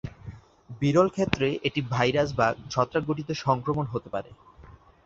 বিরল ক্ষেত্রে এটি ভাইরাস বা ছত্রাক ঘটিত সংক্রমণ হতে পারে।